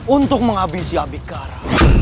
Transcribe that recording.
untuk menghabisi abikara